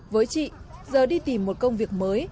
với chị giờ đi tìm một công việc mới